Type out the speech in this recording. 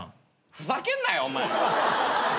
ふざけんなよお前。